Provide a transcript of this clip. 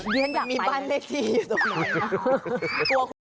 เรียกกับมีบ้านเม็ดที่อยู่ตรงนั้น